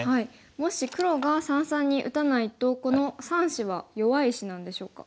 もし黒が三々に打たないとこの３子は弱い石なんでしょうか。